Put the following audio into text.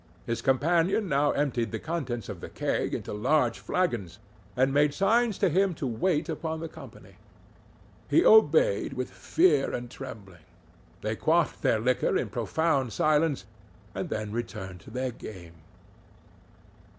His companion now emptied the contents of the keg into large flagons, and made signs to him to wait upon the company. He obeyed with fear and trembling; they quaffed the liquor in profound silence, and then returned to their game.